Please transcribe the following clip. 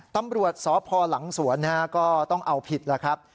ตำรวจสพหลังสวนก็ต้องเอาผิดแล้วครับ